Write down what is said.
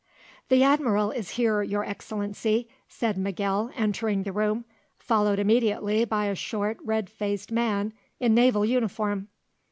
"The Admiral is here, Your Excellency," said Miguel entering the room, followed immediately by a short, red faced man in naval uniform.